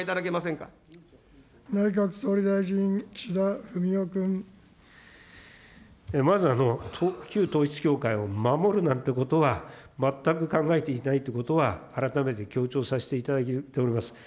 内閣総理大臣、まず、旧統一教会を守るなんてことは、全く考えていないということは、改めて強調させていただいております。